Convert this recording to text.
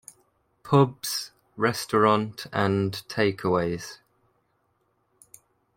Pubs, restaurant and take-aways.